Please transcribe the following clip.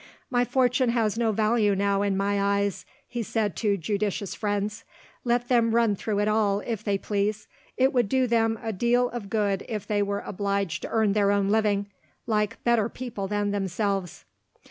"My fortune has no value now in my eyes," he said to judicious friends; "let them run through it all, if they please. It would do them a deal of good if they were obliged to earn their own living, like better people than themselves."